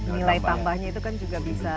nilai tambahnya itu kan juga bisa